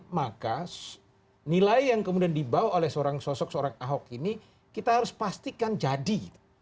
maka nilai yang kemudian dibawa oleh seorang sosok seorang ahok ini kita harus pastikan jadi